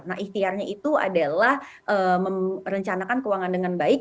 nah ikhtiarnya itu adalah merencanakan keuangan dengan baik